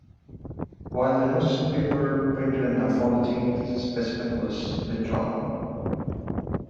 While the newspaper printed an apology, the specimen was withdrawn.